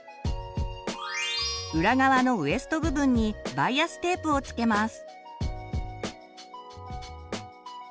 裏側のウエスト部分にバイアステープを付けます。